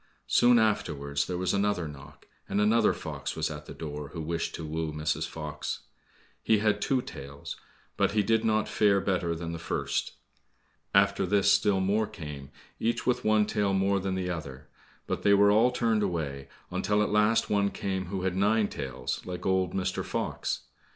Soon afterwards there was another knock, and another fox was at the door who wished to woo Mrs. Fox. He had two tails, but he did not fare better than the first. After this still more came, each with one tail more than the other, but they were all turned away, until at last one came who had nine tails, like old Mr. Fox.